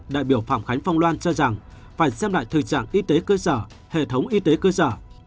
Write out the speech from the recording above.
đại biểu phạm khánh phong loan cho rằng phải xem lại thực trạng y tế cơ sở hệ thống y tế cơ sở